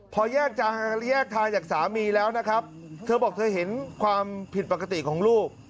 พอแยกทางจากสามีแล้วนะครับเธอบอกเธอเห็นความผิดปกติของลูก